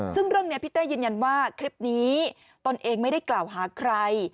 ซึ่งเรื่องนี้พี่เต้ยืนยันว่าคลิปนี้ตนเองไม่ได้กล่าวหาใคร